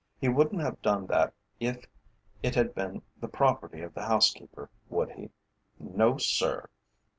He wouldn't have done that if it had been the property of the housekeeper, would he? No, sir!